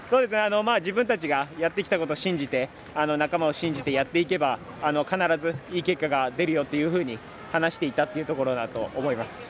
自分たちがやってきたことを信じて仲間を信じてやっていけば必ずいい結果が出るよと話していたというところだと思います。